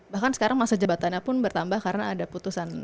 bahkan sekarang masa jabatannya pun bertambah karena ada putusan